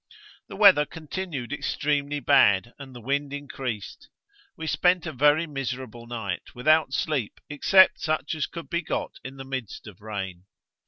The weather continued extremely bad, and the wind increased; we spent a very miserable night, without sleep, except such as could be got in the midst of rain.'